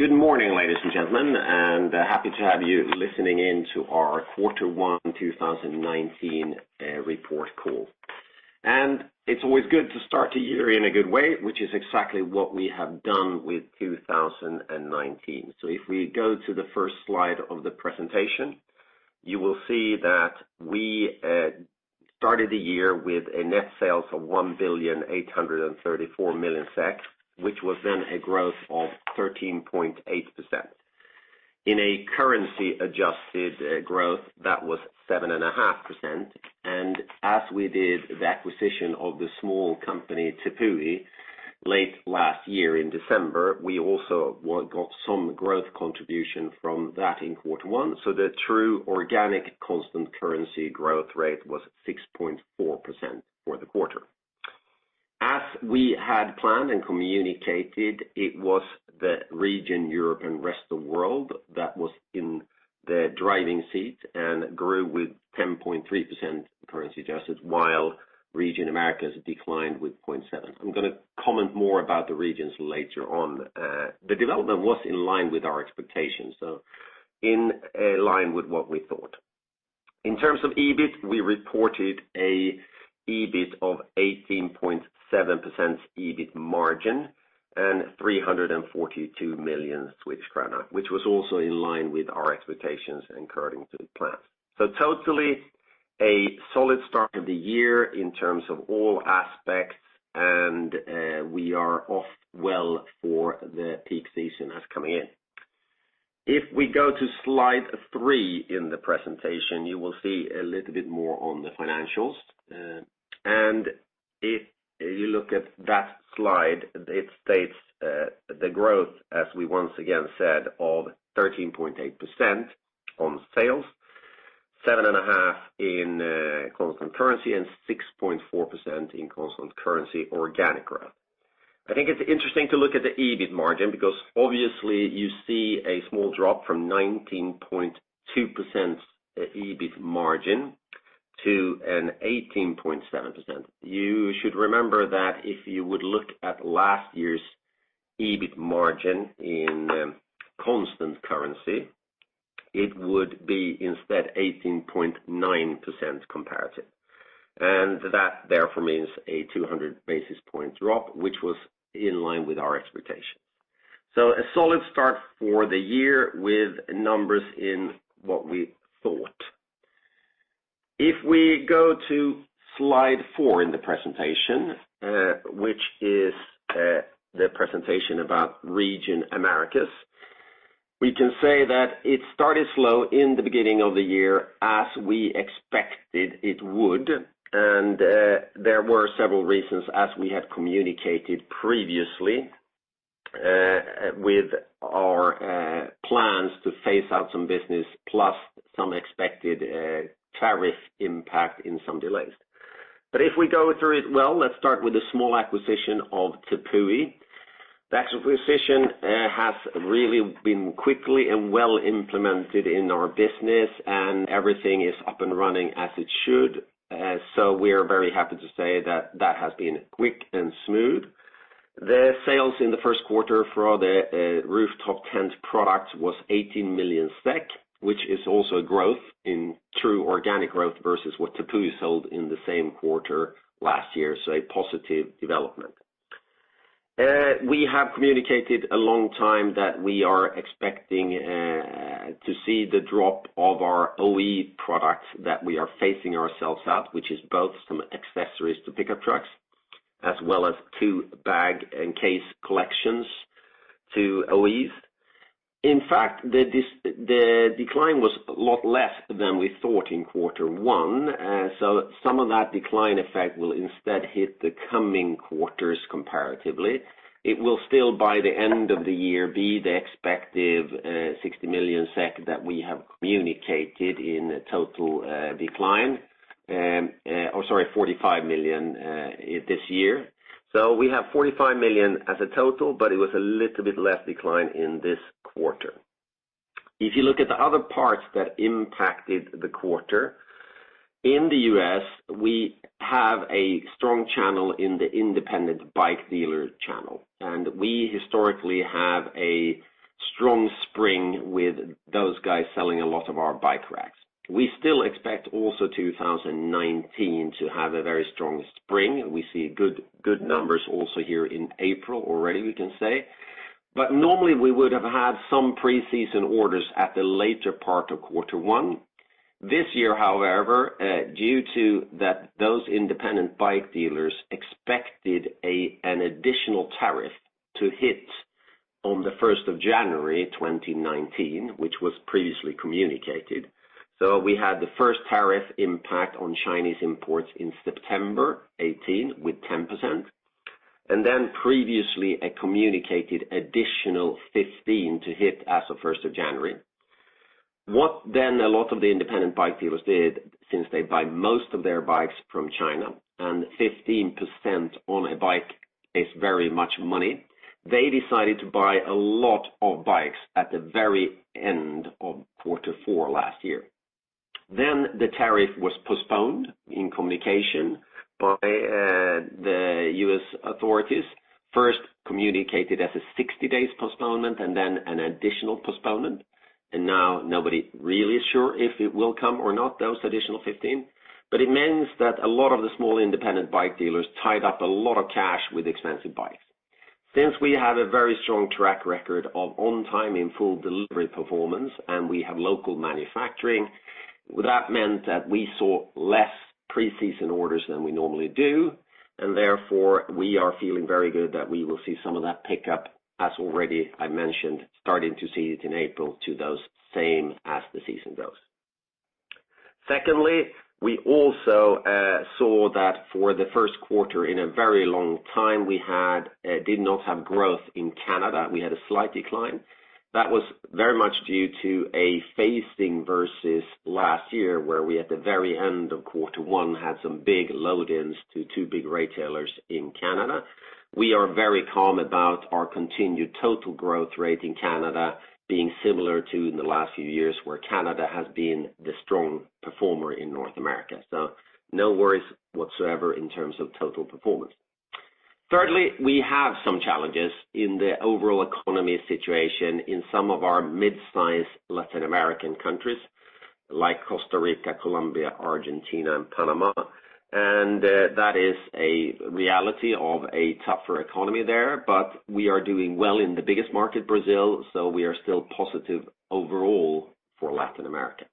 Good morning, ladies and gentlemen, happy to have you listening in to our Quarter 1 2019 report call. It is always good to start a year in a good way, which is exactly what we have done with 2019. If we go to the first slide of the presentation, you will see that we started the year with a net sales of 1,834,000,000, which was then a growth of 13.8%. In a currency adjusted growth, that was 7.5%. As we did the acquisition of the small company, Tepui, late last year in December, we also got some growth contribution from that in quarter one. The true organic constant currency growth rate was 6.4% for the quarter. As we had planned and communicated, it was the region Europe and Rest of World that was in the driving seat and grew with 10.3% currency adjusted, while region Americas declined with 0.7%. I am going to comment more about the regions later on. The development was in line with our expectations, so in line with what we thought. In terms of EBIT, we reported an EBIT of 18.7% EBIT margin and 342 million Swedish krona, which was also in line with our expectations and according to the plan. Totally a solid start of the year in terms of all aspects, and we are off well for the peak season that is coming in. If we go to slide three in the presentation, you will see a little bit more on the financials. If you look at that slide, it states the growth as we once again said of 13.8% on sales, 7.5% in constant currency, and 6.4% in constant currency organic growth. I think it is interesting to look at the EBIT margin because obviously you see a small drop from 19.2% EBIT margin to an 18.7%. You should remember that if you would look at last year's EBIT margin in constant currency, it would be instead 18.9% comparative. That therefore means a 200 basis point drop, which was in line with our expectations. A solid start for the year with numbers in what we thought. If we go to slide four in the presentation, which is the presentation about region Americas, we can say that it started slow in the beginning of the year as we expected it would. There were several reasons as we have communicated previously, with our plans to phase out some business plus some expected tariff impact and some delays. If we go through it, well, let us start with the small acquisition of Tepui. That acquisition has really been quickly and well implemented in our business, and everything is up and running as it should. We are very happy to say that has been quick and smooth. The sales in the first quarter for the rooftop tent product was 18 million SEK, which is also a growth in true organic growth versus what Tepui sold in the same quarter last year. A positive development. We have communicated a long time that we are expecting to see the drop of our OE products that we are phasing ourselves out, which is both some accessories to pickup trucks, as well as two bag and case collections to OEs. In fact, the decline was a lot less than we thought in quarter one. Some of that decline effect will instead hit the coming quarters comparatively. It will still by the end of the year be the expected 60 million SEK that we have communicated in total decline. 45 million this year. We have 45 million as a total, but it was a little bit less decline in this quarter. If you look at the other parts that impacted the quarter, in the U.S., we have a strong channel in the independent bike dealer channel, and we historically have a strong spring with those guys selling a lot of our bike racks. We still expect also 2019 to have a very strong spring. We see good numbers also here in April already, we can say. Normally we would have had some pre-season orders at the later part of quarter one. This year, however, due to those independent bike dealers expected an additional tariff to hit on the 1st of January 2019, which was previously communicated. We had the first tariff impact on Chinese imports in September 2018 with 10%, and then previously a communicated additional 15% to hit as of 1st of January. A lot of the independent bike dealers did, since they buy most of their bikes from China and 15% on a bike is very much money, they decided to buy a lot of bikes at the very end of quarter four last year. The tariff was postponed in communication by the U.S. authorities, first communicated as a 60 days postponement and then an additional postponement, and now nobody really is sure if it will come or not, those additional 15%. It means that a lot of the small independent bike dealers tied up a lot of cash with expensive bikes. We have a very strong track record of on-time and full delivery performance and we have local manufacturing, that meant that we saw less pre-season orders than we normally do, and therefore we are feeling very good that we will see some of that pickup, as already I mentioned, starting to see it in April to those same as the season goes. Secondly, we also saw that for the first quarter in a very long time, we did not have growth in Canada. We had a slight decline. That was very much due to a phasing versus last year, where we, at the very end of quarter one, had some big load-ins to two big retailers in Canada. We are very calm about our continued total growth rate in Canada being similar to in the last few years, where Canada has been the strong performer in North America. no worries whatsoever in terms of total performance. Thirdly, we have some challenges in the overall economy situation in some of our mid-size Latin American countries, like Costa Rica, Colombia, Argentina, and Panama, and that is a reality of a tougher economy there. We are doing well in the biggest market, Brazil, so we are still positive overall for Latin America.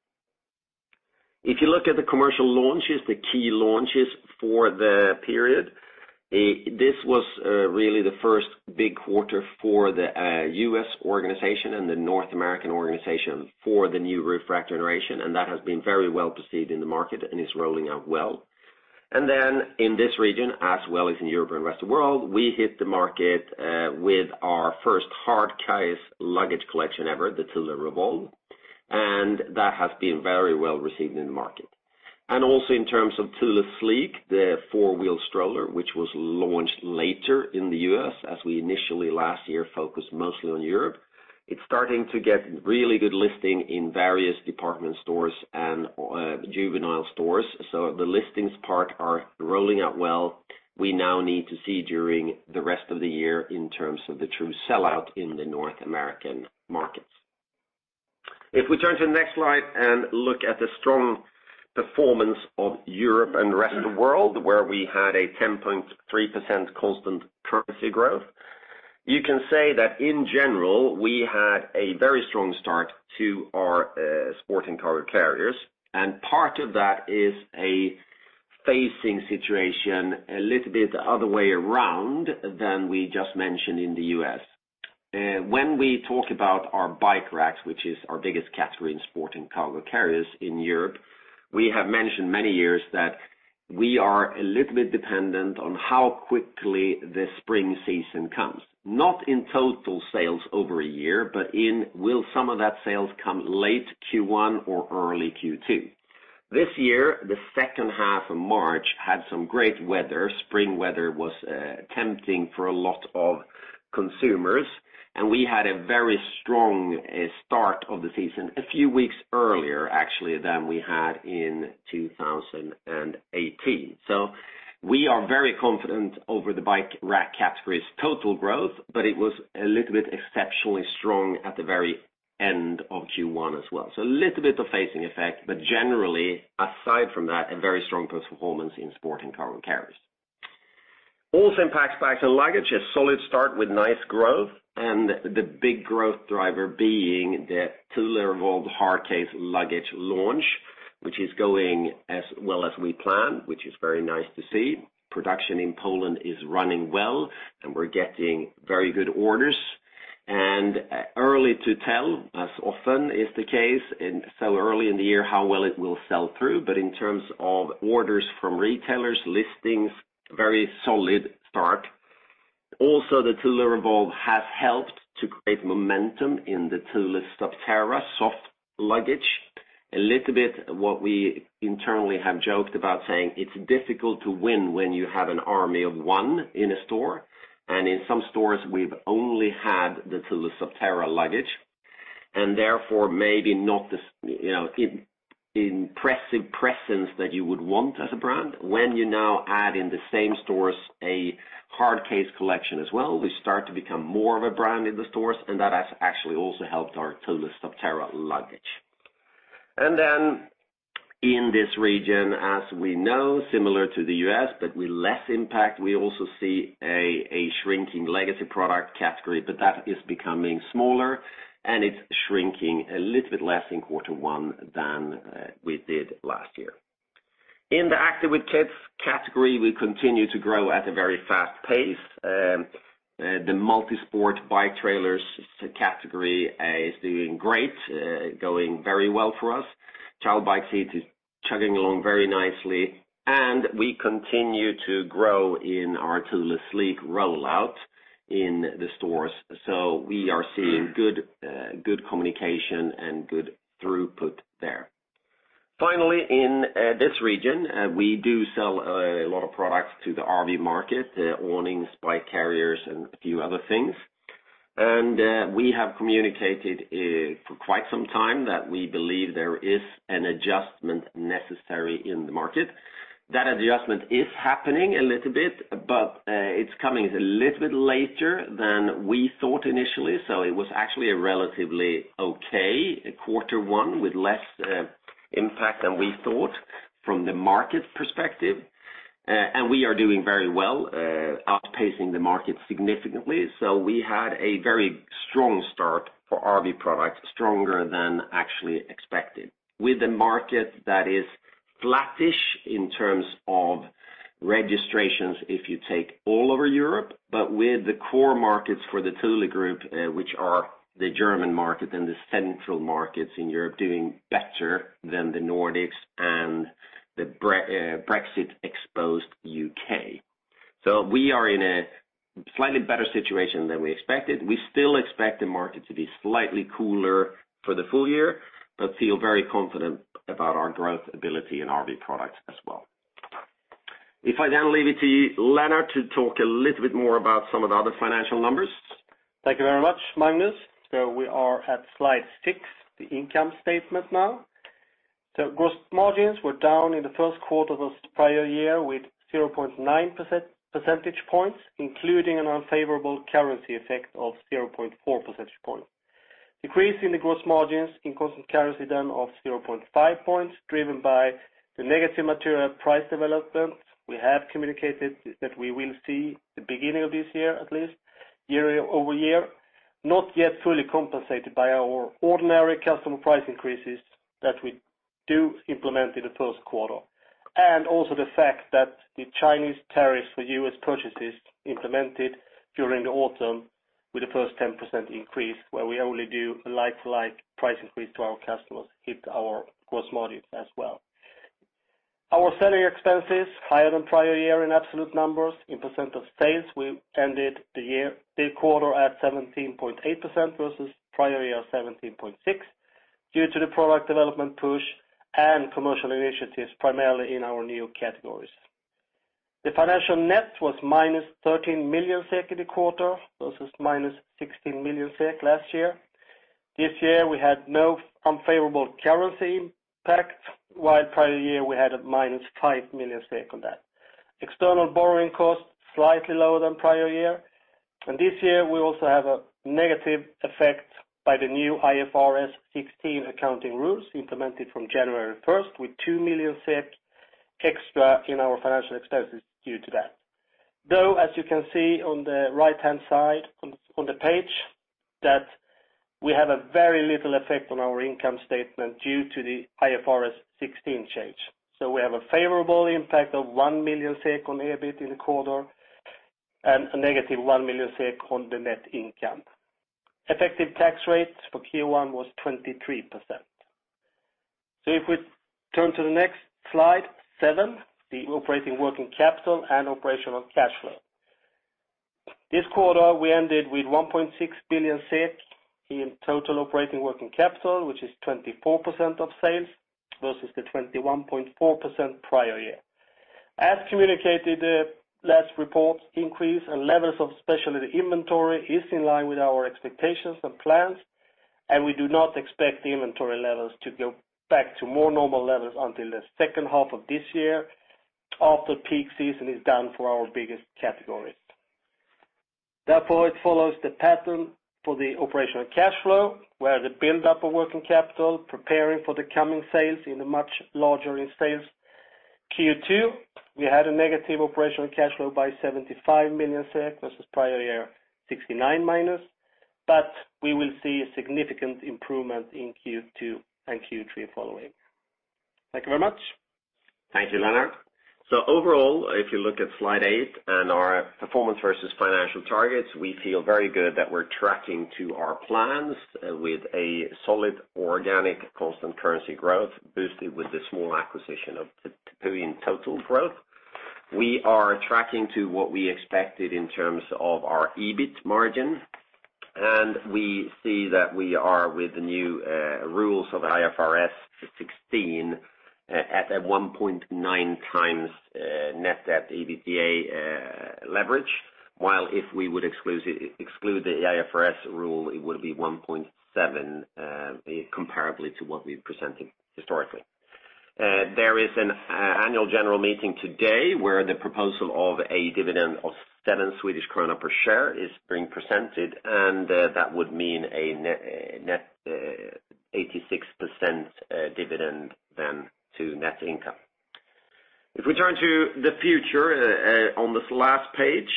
If you look at the commercial launches, the key launches for the period, this was really the first big quarter for the U.S. organization and the North American organization for the new roof rack generation, and that has been very well received in the market and is rolling out well. Then in this region, as well as in Europe and rest of world, we hit the market with our first hard case luggage collection ever, the Thule Revolve, and that has been very well received in the market. Also in terms of Thule Sleek, the four-wheel stroller, which was launched later in the U.S., as we initially last year focused mostly on Europe. It's starting to get really good listing in various department stores and juvenile stores. The listings part are rolling out well. We now need to see during the rest of the year in terms of the true sellout in the North American markets. If we turn to the next slide and look at the strong performance of Europe and rest of world, where we had a 10.3% constant currency growth. You can say that in general, we had a very strong start to our Sport and Cargo Carriers, and part of that is a phasing situation, a little bit other way around than we just mentioned in the U.S. When we talk about our bike racks, which is our biggest category in Sport and Cargo Carriers in Europe, we have mentioned many years that we are a little bit dependent on how quickly the spring season comes. Not in total sales over a year, but in will some of that sales come late Q1 or early Q2. This year, the second half of March had some great weather. Spring weather was tempting for a lot of consumers, and we had a very strong start of the season, a few weeks earlier, actually, than we had in 2018. We are very confident over the bike rack category's total growth, but it was a little bit exceptionally strong at the very end of Q1 as well. A little bit of phasing effect, but generally, aside from that, a very strong performance in Sport and Cargo Carriers. Also impacts bags and luggage, a solid start with nice growth and the big growth driver being the Thule Revolve hard case luggage launch, which is going as well as we planned, which is very nice to see. Production in Poland is running well and we're getting very good orders. Early to tell, as often is the case so early in the year, how well it will sell through. But in terms of orders from retailers, listings, very solid start. Also, the Thule Revolve has helped to create momentum in the Thule Subterra soft luggage. A little bit what we internally have joked about saying, it's difficult to win when you have an army of one in a store. In some stores we've only had the Thule Subterra luggage and therefore maybe not the impressive presence that you would want as a brand. You now add in the same stores a hard case collection as well, we start to become more of a brand in the stores and that has actually also helped our Thule Subterra luggage. In this region, as we know, similar to the U.S. but with less impact, we also see a shrinking legacy product category, but that is becoming smaller and it's shrinking a little bit less in quarter one than we did last year. In the Active with Kids category, we continue to grow at a very fast pace. The multi-sport bike trailers category is doing great, going very well for us. Child bike seat is chugging along very nicely and we continue to grow in our Thule Sleek rollout in the stores. We are seeing good communication and good throughput there. Finally, in this region, we do sell a lot of products to the RV market, awnings, bike carriers and a few other things. We have communicated for quite some time that we believe there is an adjustment necessary in the market. That adjustment is happening a little bit, but it's coming a little bit later than we thought initially. It was actually a relatively okay quarter one with less impact than we thought from the market perspective. We are doing very well, outpacing the market significantly. We had a very strong start for RV products, stronger than actually expected. With the market that is flattish in terms of registrations if you take all over Europe, but with the core markets for the Thule Group, which are the German market and the central markets in Europe, doing better than the Nordics and the Brexit-exposed U.K. We are in a slightly better situation than we expected. We still expect the market to be slightly cooler for the full year, but feel very confident about our growth ability in RV products as well. Leave it to Lennart to talk a little bit more about some of the other financial numbers. Thank you very much, Magnus. We are at slide six, the income statement now. Gross margins were down in the first quarter of prior year with 0.9% percentage points, including an unfavorable currency effect of 0.4 percentage points. Decrease in the gross margins in constant currency down of 0.5 points, driven by the negative material price development. We have communicated that we will see the beginning of this year at least, year-over-year, not yet fully compensated by our ordinary customer price increases that we do implement in the first quarter. Also the fact that the Chinese tariffs for U.S. purchases implemented during the autumn with the first 10% increase, where we only do a like-for-like price increase to our customers hit our gross margins as well. Our selling expenses higher than prior year in absolute numbers. In percent of sales, we ended the quarter at 17.8% versus prior year, 17.6% due to the product development push and commercial initiatives primarily in our new categories. The financial net was 13 million SEK in the quarter versus 16 million SEK last year. This year we had no unfavorable currency impact, while prior year we had a 5 million on that. External borrowing costs slightly lower than prior year. This year we also have a negative effect by the new IFRS 16 accounting rules implemented from January 1 with 2 million SEK extra in our financial expenses due to that. As you can see on the right-hand side on the page, that we have a very little effect on our income statement due to the IFRS 16 change. We have a favorable impact of 1 million SEK on EBIT in the quarter and a negative 1 million SEK on the net income. Effective tax rate for Q1 was 23%. If we turn to the next slide seven, the operating working capital and operational cash flow. This quarter, we ended with 1.6 billion in total operating working capital, which is 24% of sales versus the 21.4% prior year. As communicated, last report increase and levels of specialty inventory is in line with our expectations and plans, and we do not expect inventory levels to go back to more normal levels until the second half of this year after peak season is done for our biggest categories. It follows the pattern for the operational cash flow, where the buildup of working capital preparing for the coming sales in a much larger in sales Q2. We had a negative operational cash flow by 75 million SEK versus prior year, 69 minus, but we will see a significant improvement in Q2 and Q3 following. Thank you very much. Thank you, Lennart. Overall, if you look at slide eight and our performance versus financial targets, we feel very good that we're tracking to our plans with a solid organic constant currency growth boosted with the small acquisition of the Tepui total growth. We are tracking to what we expected in terms of our EBIT margin, and we see that we are with the new rules of IFRS 16 at a 1.9x net debt EBITDA leverage while if we would exclude the IFRS rule, it would be 1.7x comparably to what we're presenting historically. There is an annual general meeting today where the proposal of a dividend of 7 Swedish krona per share is being presented, and that would mean a net 86% dividend to net income. If we turn to the future on this last page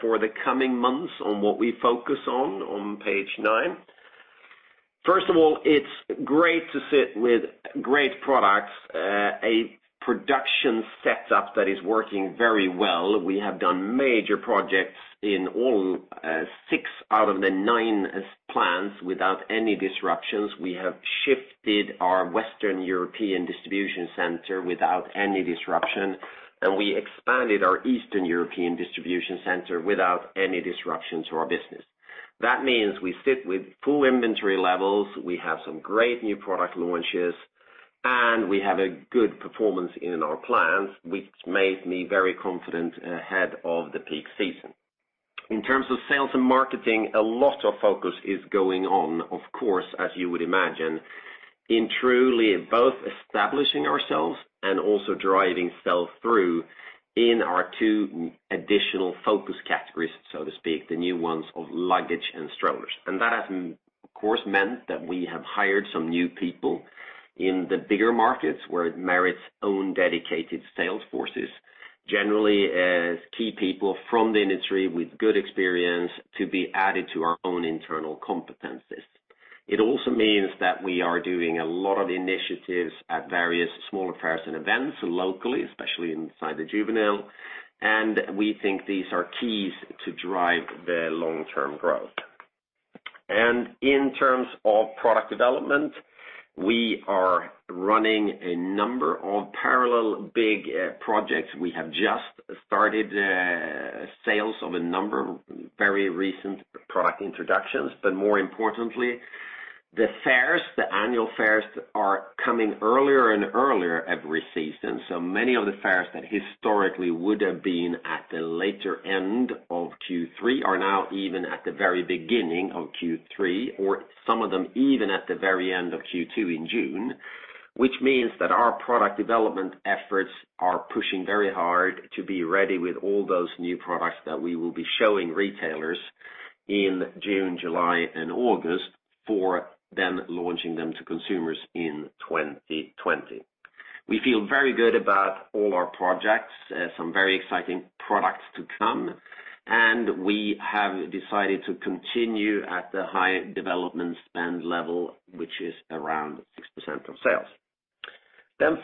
for the coming months on what we focus on page nine. First of all, it's great to sit with great products, a production setup that is working very well. We have done major projects in all six out of the nine plants without any disruptions. We have shifted our Western European distribution center without any disruption, and we expanded our Eastern European distribution center without any disruption to our business. That means we sit with full inventory levels. We have some great new product launches. We have a good performance in our plants, which makes me very confident ahead of the peak season. In terms of sales and marketing, a lot of focus is going on, of course, as you would imagine, in Thule both establishing ourselves and also driving sales through in our two additional focus categories, so to speak, the new ones of luggage and strollers. That has, of course, meant that we have hired some new people in the bigger markets where it merits own dedicated sales forces, generally as key people from the industry with good experience to be added to our own internal competencies. It also means that we are doing a lot of initiatives at various small fairs and events locally, especially inside the juvenile. We think these are keys to drive the long-term growth. In terms of product development, we are running a number of parallel big projects. We have just started sales of a number of very recent product introductions, but more importantly, the fairs, the annual fairs, are coming earlier and earlier every season. Many of the fairs that historically would have been at the later end of Q3 are now even at the very beginning of Q3, or some of them even at the very end of Q2 in June, which means that our product development efforts are pushing very hard to be ready with all those new products that we will be showing retailers in June, July and August for them launching them to consumers in 2020. We feel very good about all our projects, some very exciting products to come. We have decided to continue at the high development spend level, which is around 6% of sales.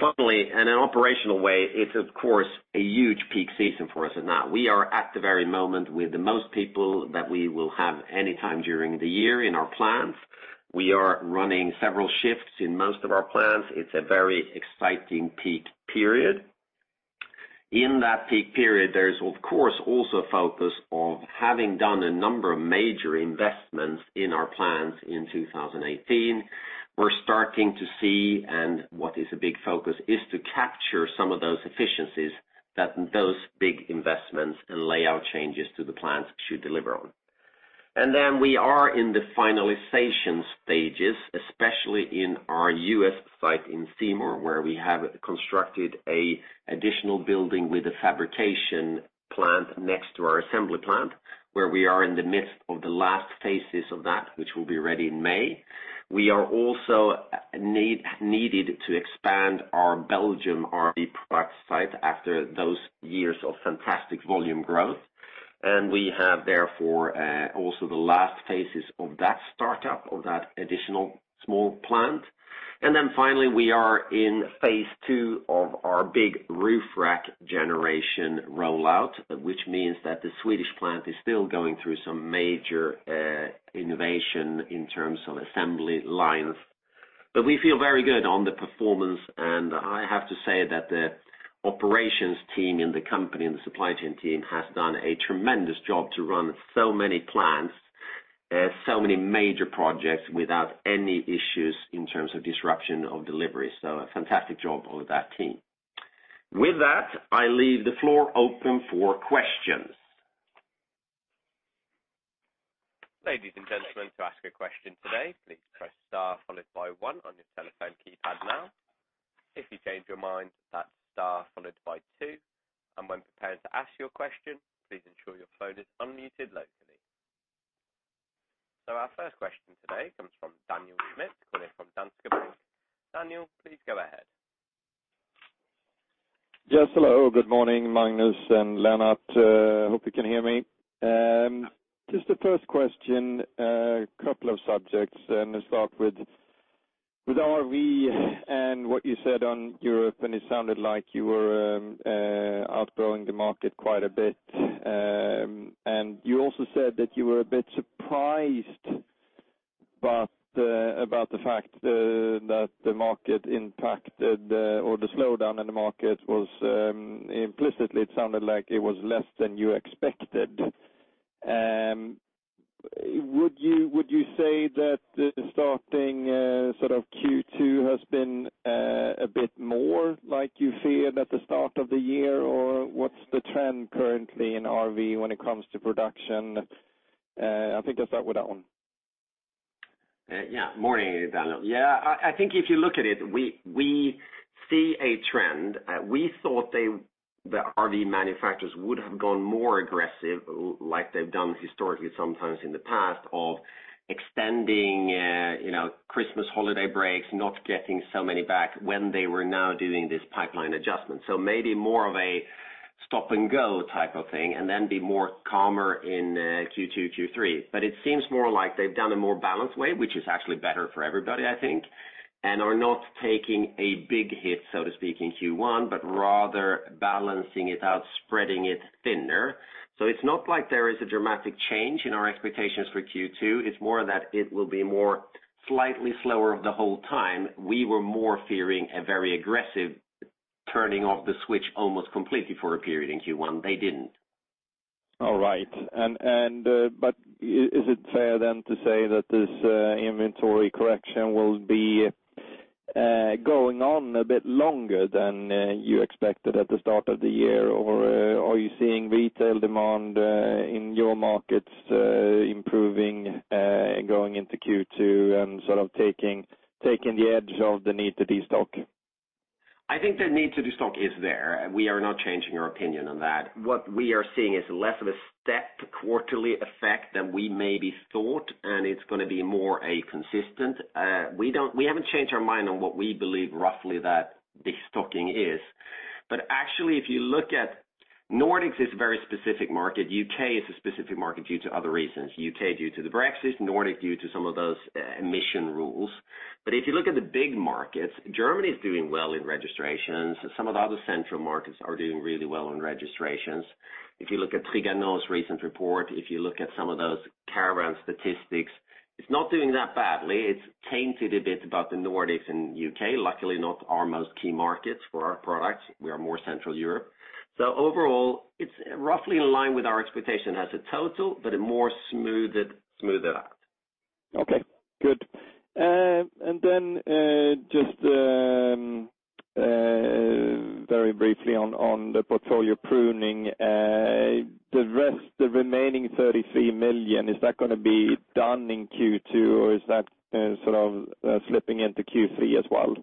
Finally, in an operational way, it's of course a huge peak season for us now. We are at the very moment with the most people that we will have any time during the year in our plants. We are running several shifts in most of our plants. It's a very exciting peak period. In that peak period, there is of course also a focus of having done a number of major investments in our plants in 2018. We are starting to see, and what is a big focus is to capture some of those efficiencies that those big investments and layout changes to the plants should deliver on. We are in the finalization stages, especially in our U.S. site in Seymour, where we have constructed an additional building with a fabrication plant next to our assembly plant, where we are in the midst of the last phases of that, which will be ready in May. We are also needed to expand our Belgium RV product site after those years of fantastic volume growth. We have therefore also the last phases of that startup of that additional small plant. Finally, we are in phase 2 of our big roof rack generation rollout, which means that the Swedish plant is still going through some major innovation in terms of assembly lines. We feel very good on the performance. I have to say that the operations team in the company and the supply chain team has done a tremendous job to run so many plants, so many major projects without any issues in terms of disruption of delivery. So a fantastic job of that team. With that, I leave the floor open for questions. Ladies and gentlemen, to ask a question today, please press star followed by one on your telephone keypad now. If you change your mind, that's star followed by two, and when preparing to ask your question, please ensure your phone is unmuted locally. Our first question today comes from Daniel Schmidt calling from Danske Bank. Daniel, please go ahead. Yes, hello. Good morning, Magnus and Lennart. Hope you can hear me. Just the first question, a couple of subjects. Let's start with RV and what you said on Europe, and it sounded like you were outgrowing the market quite a bit. You also said that you were a bit surprised about the fact that the market impacted or the slowdown in the market was implicitly, it sounded like it was less than you expected. Would you say that the starting sort of Q2 has been a bit more like you feared at the start of the year? What's the trend currently in RV when it comes to production? I think I'll start with that one. Morning, Daniel. I think if you look at it, we see a trend. We thought the RV manufacturers would have gone more aggressive like they've done historically sometimes in the past of extending Christmas holiday breaks, not getting so many back when they were now doing this pipeline adjustment. Maybe more of a stop-and-go type of thing and then be more calmer in Q2, Q3. It seems more like they've done a more balanced way, which is actually better for everybody, I think, and are not taking a big hit, so to speak, in Q1, but rather balancing it out, spreading it thinner. It's not like there is a dramatic change in our expectations for Q2. It's more that it will be more slightly slower the whole time. We were more fearing a very aggressive turning of the switch almost completely for a period in Q1. They didn't. All right. Is it fair then to say that this inventory correction will be going on a bit longer than you expected at the start of the year? Are you seeing retail demand in your markets improving, going into Q2 and sort of taking the edge of the need to de-stock? I think the need to de-stock is there. We are not changing our opinion on that. What we are seeing is less of a step quarterly effect than we maybe thought, and it's going to be more consistent. We haven't changed our mind on what we believe roughly that de-stocking is. Actually, if you look at Nordics, it's a very specific market. U.K. is a specific market due to other reasons. U.K. due to the Brexit, Nordic due to some of those emission rules. If you look at the big markets, Germany is doing well in registrations. Some of the other central markets are doing really well on registrations. If you look at Trigano's recent report, if you look at some of those caravan statistics, it's not doing that badly. It's tainted a bit about the Nordics and U.K., luckily not our most key markets for our products. We are more Central Europe. Overall, it's roughly in line with our expectation as a total, but a more smoothed out. Okay, good. Just very briefly on the portfolio pruning. The remaining 33 million, is that going to be done in Q2, or is that sort of slipping into Q3 as well?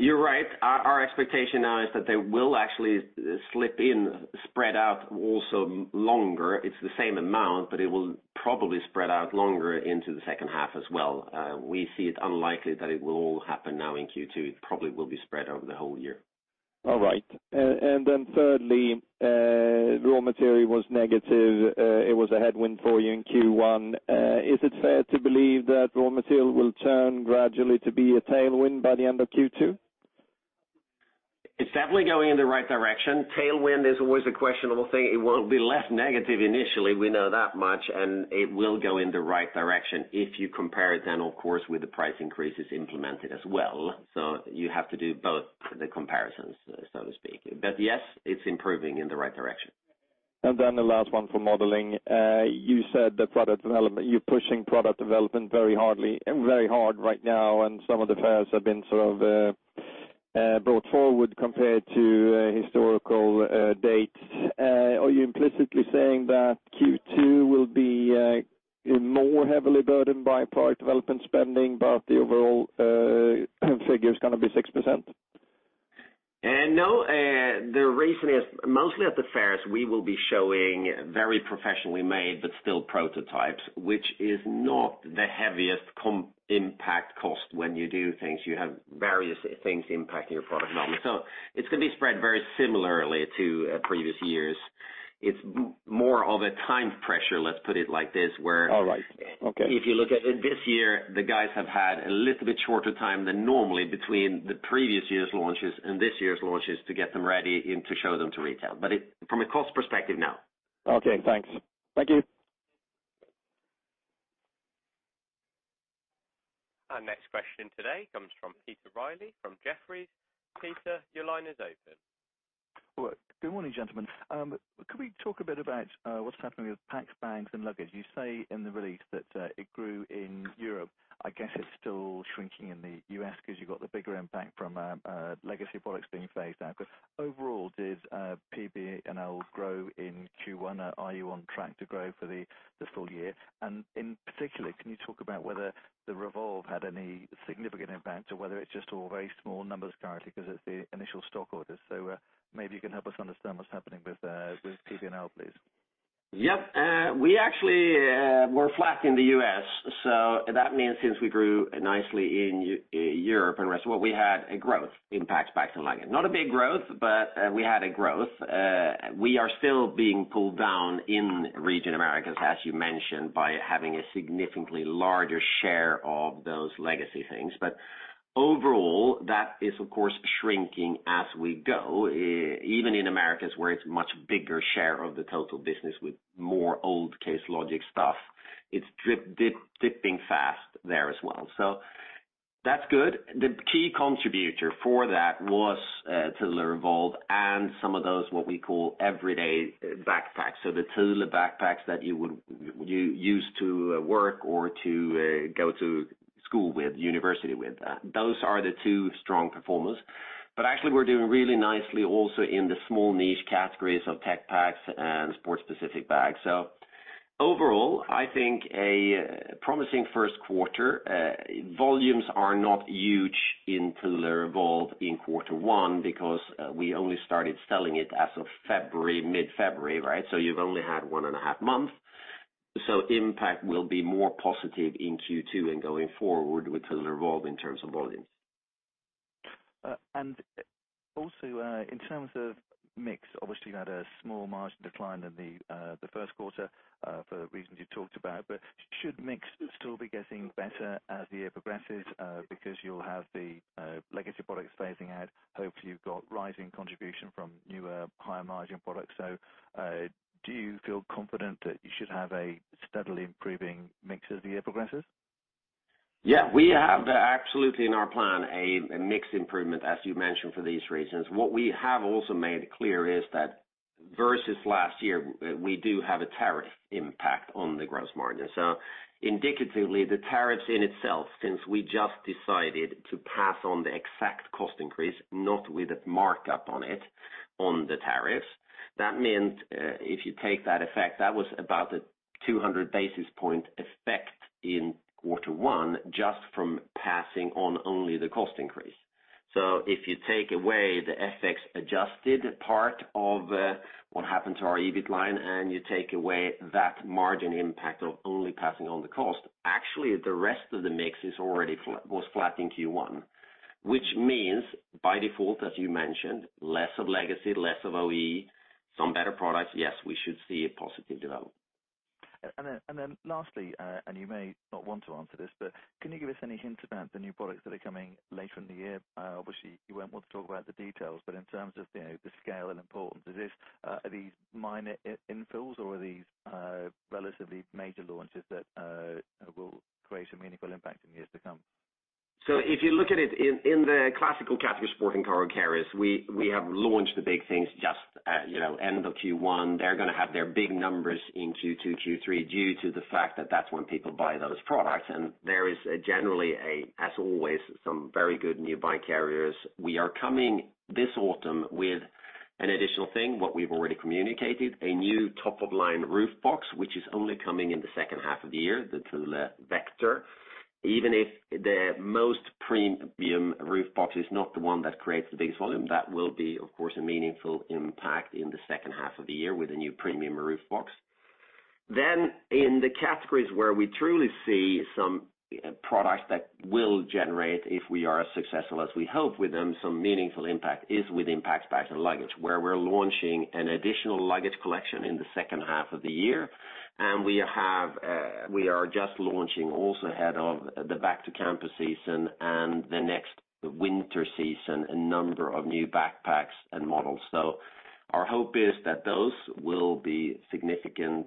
You're right. Our expectation now is that they will actually slip in, spread out also longer. It's the same amount, but it will probably spread out longer into the second half as well. We see it unlikely that it will all happen now in Q2. It probably will be spread over the whole year. All right. Thirdly, raw material was negative. It was a headwind for you in Q1. Is it fair to believe that raw material will turn gradually to be a tailwind by the end of Q2? It's definitely going in the right direction. Tailwind is always a questionable thing. It will be less negative initially, we know that much, and it will go in the right direction if you compare it then, of course, with the price increases implemented as well. You have to do both the comparisons, so to speak. Yes, it's improving in the right direction. The last one for modeling. You said that you're pushing product development very hard right now, and some of the fairs have been sort of brought forward compared to historical dates. Are you implicitly saying that Q2 will be more heavily burdened by product development spending, but the overall figure is going to be 6%? No, the reason is mostly at the fairs, we will be showing very professionally made, but still prototypes, which is not the heaviest impact cost when you do things. You have various things impacting your product development. It's going to be spread very similarly to previous years. It's more of a time pressure, let's put it like this. All right. Okay if you look at it this year, the guys have had a little bit shorter time than normally between the previous year's launches and this year's launches to get them ready and to show them to retail. From a cost perspective, no. Okay, thanks. Thank you. Our next question today comes from Peter Riley from Jefferies. Peter, your line is open. Good morning, gentlemen. Could we talk a bit about what's happening with Packs, Bags & Luggage? You say in the release that it grew in Europe. I guess it's still shrinking in the U.S. because you've got the bigger impact from legacy products being phased out. Overall, did PB&L grow in Q1? Are you on track to grow for the full year? In particular, can you talk about whether the Revolve had any significant impact or whether it's just all very small numbers currently because it's the initial stock orders? Maybe you can help us understand what's happening with PB&L, please. Yep. We actually were flat in the U.S. That means since we grew nicely in Europe and rest, well, we had a growth impact back in lagging. Not a big growth, but we had a growth. We are still being pulled down in region Americas, as you mentioned, by having a significantly larger share of those legacy things. Overall, that is, of course, shrinking as we go. Even in Americas, where it's much bigger share of the total business with more old Case Logic stuff, it's dipping fast there as well. That's good. The key contributor for that was Thule Revolve and some of those, what we call everyday backpacks. The Thule backpacks that you would use to work or to go to school with, university with. Those are the two strong performers. Actually, we're doing really nicely also in the small niche categories of tech packs and sports-specific bags. Overall, I think a promising first quarter. Volumes are not huge in Thule Revolve in quarter one because we only started selling it as of mid-February, right? You've only had one and a half month. Impact will be more positive in Q2 and going forward with Thule Revolve in terms of volumes. Also, in terms of mix, obviously, you had a small margin decline in the first quarter for reasons you talked about. Should mix still be getting better as the year progresses? You'll have the legacy products phasing out. Hopefully, you've got rising contribution from newer, higher-margin products. Do you feel confident that you should have a steadily improving mix as the year progresses? We have absolutely in our plan a mix improvement, as you mentioned, for these reasons. What we have also made clear is that versus last year, we do have a tariff impact on the gross margin. Indicatively, the tariffs in itself, since we just decided to pass on the exact cost increase, not with a markup on it, on the tariffs. That meant, if you take that effect, that was about a 200 basis point effect in quarter one just from passing on only the cost increase. If you take away the FX-adjusted part of what happened to our EBIT line, and you take away that margin impact of only passing on the cost, actually the rest of the mix was flat in Q1. Which means, by default, as you mentioned, less of legacy, less of OE, some better products. We should see a positive development. Lastly, you may not want to answer this, can you give us any hints about the new products that are coming later in the year? Obviously, you won't want to talk about the details, in terms of the scale and importance, are these minor infills or are these relatively major launches that will create a meaningful impact in the years to come? If you look at it in the classical category Sport and Cargo Carriers, we have launched the big things just at end of Q1. They're going to have their big numbers in Q2, Q3 due to the fact that that's when people buy those products. There is generally a, as always, some very good new bike carriers. We are coming this autumn with an additional thing, what we've already communicated, a new top-of-line roof box, which is only coming in the second half of the year, the Thule Vector. Even if the most premium roof box is not the one that creates the biggest volume, that will be, of course, a meaningful impact in the second half of the year with a new premium roof box. In the categories where we truly see some products that will generate, if we are as successful as we hope with them, some meaningful impact is with Packs, Bags & Luggage, where we're launching an additional luggage collection in the second half of the year. We are just launching also ahead of the back-to-campus season and the next winter season, a number of new backpacks and models. Our hope is that those will be significant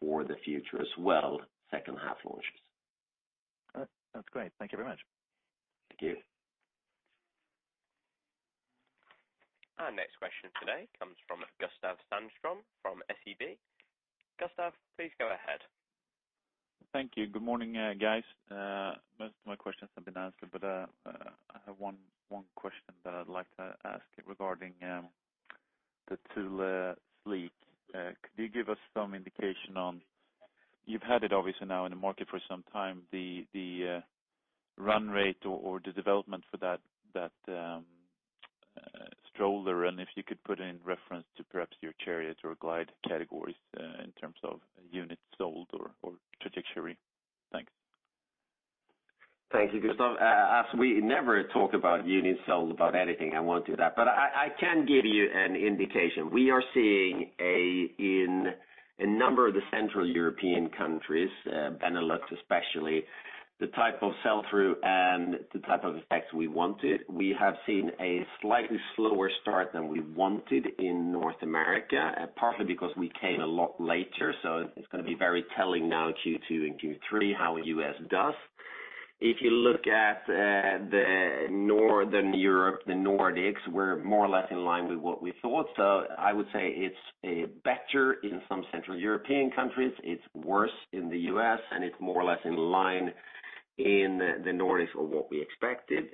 for the future as well, second half launches. All right. That's great. Thank you very much. Thank you. Our next question today comes from Gustav Hagéus from SEB. Gustav, please go ahead. Thank you. Good morning, guys. Most of my questions have been answered, but I have one question that I'd like to ask regarding the Thule Sleek. Could you give us some indication on, you've had it obviously now in the market for some time, the run rate or the development for that stroller, and if you could put it in reference to perhaps your Chariot or Glide categories in terms of units sold or trajectory? Thanks. Thank you, Gustav. As we never talk about units sold about anything, I won't do that. I can give you an indication. We are seeing in a number of the central European countries, Benelux especially, the type of sell-through and the type of effect we wanted. We have seen a slightly slower start than we wanted in North America, partly because we came a lot later. It's going to be very telling now Q2 and Q3 how U.S. does. If you look at the Northern Europe, the Nordics, we're more or less in line with what we thought. I would say it's better in some central European countries, it's worse in the U.S., and it's more or less in line in the Nordics of what we expected.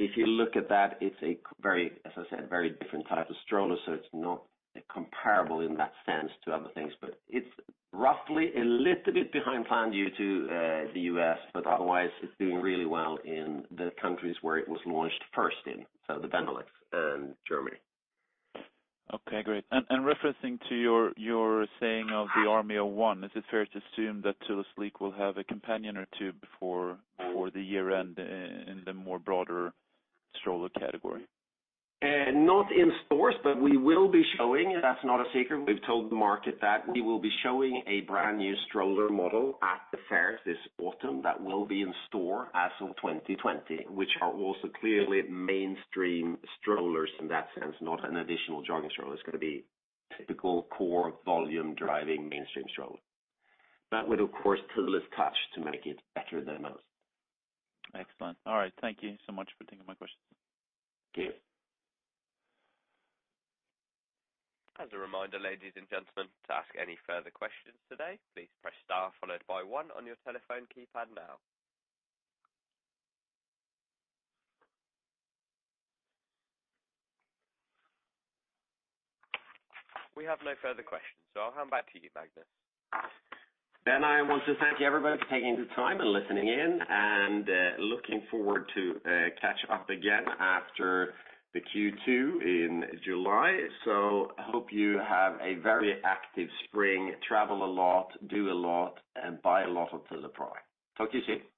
If you look at that, it's a very, as I said, very different type of stroller, so it's not comparable in that sense to other things. It's roughly a little bit behind plan due to the U.S., but otherwise it's doing really well in the countries where it was launched first in, so the Benelux and Germany. Okay, great. Referencing to your saying of the Army of One, is it fair to assume that Thule Sleek will have a companion or two before the year-end in the more broader stroller category? Not in stores, we will be showing, that's not a secret, we've told the market that we will be showing a brand-new stroller model at the fairs this autumn that will be in store as of 2020, which are also clearly mainstream strollers in that sense, not an additional jogging stroller. It's going to be typical core volume driving mainstream stroller. With, of course, Thule's touch to make it better than most. Excellent. All right. Thank you so much for taking my questions. Thank you. As a reminder, ladies and gentlemen, to ask any further questions today, please press star followed by one on your telephone keypad now. We have no further questions, I'll hand back to you, Magnus. I want to thank everybody for taking the time and listening in, and looking forward to catch up again after the Q2 in July. Hope you have a very active spring, travel a lot, do a lot, and buy a lot of Thule product. Talk to you soon.